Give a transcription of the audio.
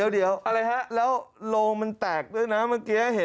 เดี๋ยวอะไรฮะแล้วโรงมันแตกด้วยนะเมื่อกี้เห็น